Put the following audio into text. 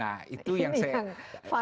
nah itu yang saya